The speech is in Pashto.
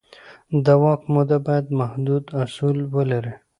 د واک موده باید محدود اصول ولري